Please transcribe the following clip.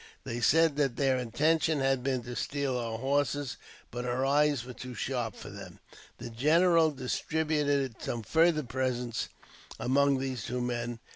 They said that their intention had been to steal our horses, but our eyes were too sharp for them. The general distributed some farther presents among these two men.